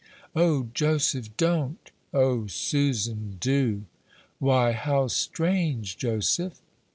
"O Joseph, don't." "O Susan, do." "Why, how strange, Joseph!"